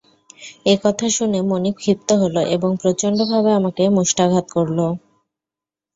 একথা শুনে মনিব ক্ষিপ্ত হল এবং প্রচণ্ড ভাবে আমাকে মুষ্টাঘাত করল।